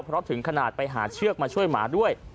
เพราะถึงขนาดไปหาเชือกมาช่วยหมาด้วย